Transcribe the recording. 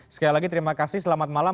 sekali lagi terima kasih selamat malam